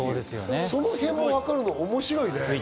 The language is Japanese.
その辺も分かるのが面白いね。